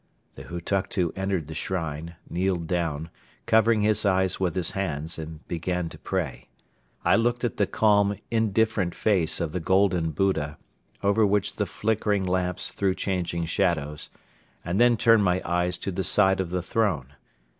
The Hutuktu entered the shrine, kneeled down, covering his eyes with his hands, and began to pray. I looked at the calm, indifferent face of the golden Buddha, over which the flickering lamps threw changing shadows, and then turned my eyes to the side of the throne.